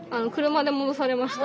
車で戻されました。